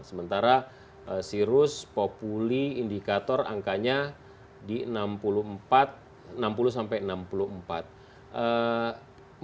sementara sirus populi indikator angkanya di enam puluh sampai enam puluh empat